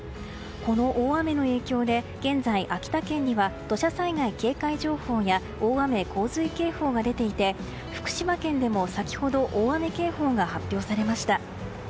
この大雨の影響で現在、秋田県には土砂災害警戒情報や大雨・洪水警報が出ていて福島県でも先ほど大雨警報が発表されました。